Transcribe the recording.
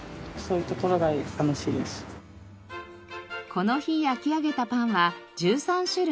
この日焼き上げたパンは１３種類。